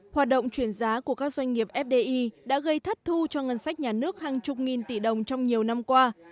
hoạt động chuyển giá của các doanh nghiệp fdi đã gây thất thu cho ngân sách nhà nước hàng chục nghìn tỷ đồng trong nhiều năm qua